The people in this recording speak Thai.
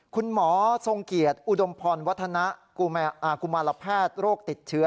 คุณหมอทรงเกียจอุดมพรวัฒนะกุมารแพทย์โรคติดเชื้อ